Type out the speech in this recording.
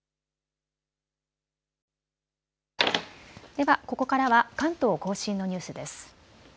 ではここからは関東甲信のニュースです。